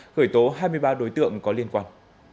khởi tố hai mươi ba đối tượng có liên quan